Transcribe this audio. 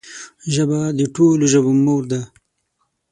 ژبه د ټولو ژبو مور ده